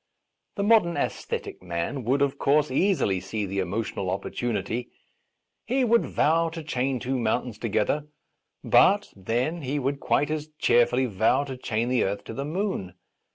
The modern aesthetic man would, of course, easily see the emo tional opportunity ; he would vow to chain two mountains together. But, then, he would quite as cheerfully vow to chain the earth to the moon.